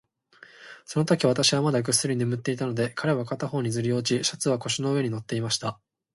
そのとき、私はまだぐっすり眠っていたので、服は片方にずり落ち、シャツは腰の上に載っていました。